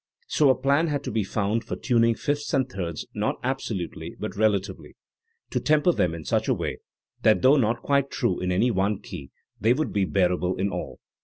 So a plan had to be found for tuning fifths and thirds not absolutely but relatively, to "tem per" them in such a way that though not quite true in any one key they would be bearable in all.